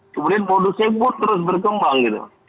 kemudian modusnya pun terus berkembang gitu